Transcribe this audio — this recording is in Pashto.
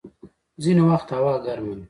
ځيني وخت هوا ګرمه وي.